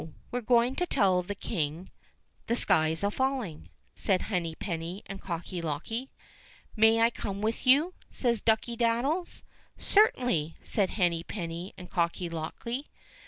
we're going to tell the King the sky's a falling," said Henny penny and Cocky locky. "May I come with you?" says Ducky daddies. "Certainly," said Henny penny and Cocky locky.